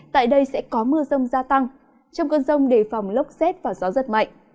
tại đây sẽ có mưa rông gia tăng trong cơn rông đề phòng lốc xét và gió giật mạnh